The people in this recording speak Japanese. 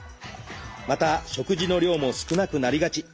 また食事の量も少なくなりがち。